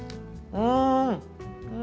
うん。